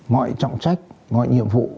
mọi trọng trách mọi nhiệm vụ